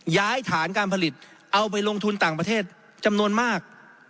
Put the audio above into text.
ย้ายฐานการผลิตเอาไปลงทุนต่างประเทศจำนวนมาก